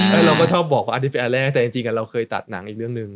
แล้วเราก็ชอบบอกว่าอันนี้เป็นอันแรกแต่จริงเราเคยตัดหนังอีกเรื่องหนึ่ง